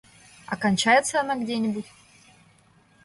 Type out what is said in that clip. А кончается она где-нибудь?